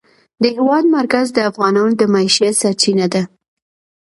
د هېواد مرکز د افغانانو د معیشت سرچینه ده.